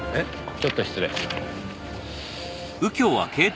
ちょっと失礼。